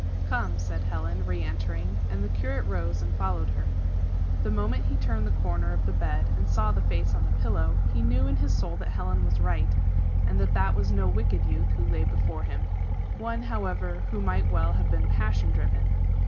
"Come," said Helen, re entering, and the curate rose and followed her. The moment he turned the corner of the bed and saw the face on the pillow, he knew in his soul that Helen was right, and that that was no wicked youth who lay before him one, however, who might well have been passion driven.